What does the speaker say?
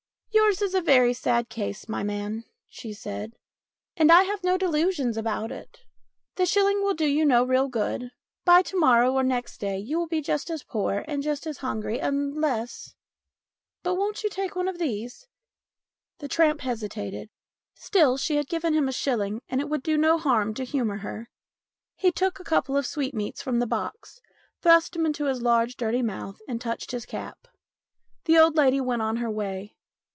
" Yours is a sad case, my man," she said, " and I have no delusions about it. The shilling will do you no real good ; by to morrow or next day you will be just as poor and just as hungry unless But won't you take one of these ?" The tramp hesitated. Still, she had given him a shilling and it would do no harm to humour her. He took a couple of sweetmeats from the box, thrust them into his large, dirty mouth, and touched his cap. The old lady went on her way.